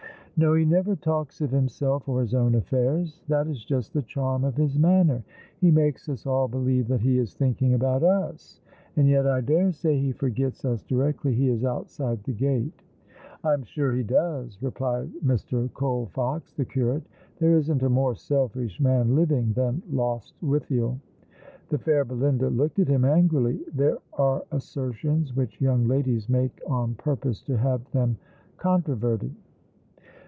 " No, he never talks of himself or his own affairs. That is just the charm of his manner. He makes us all believe that he is thinking about us ; and yet I dare say he forgets lis directly he is outside the gate." "I'm sure he does," replied Mr. Colfox, the curate. " There isn't a more selfish man living than Lostwithiel." The fair Belinda looked at him angrily. There are assertions which young ladies make on purpose to have them controverted.